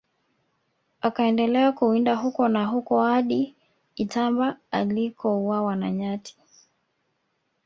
Akaendelea kuwinda huko na huko hadi Itamba alikouawa na nyati